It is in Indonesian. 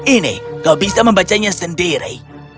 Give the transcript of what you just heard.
ini kau bisa membacanya sendiri